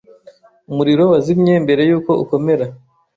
Umuriro wazimye mbere yuko ukomera.